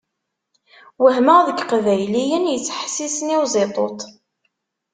Wehmeɣ deg Iqbayliyen yettḥessisen i Uziṭuṭ!